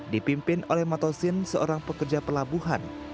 dipimpin oleh matosin seorang pekerja pelabuhan